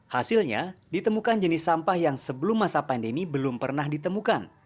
hasilnya ditemukan jenis sampah yang sebelum masa pandemi belum pernah ditemukan